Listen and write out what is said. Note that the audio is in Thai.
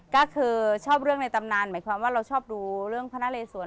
ก็คือชอบเรื่องในตำนานหมายความว่าเราชอบดูเรื่องพระนาเลสวร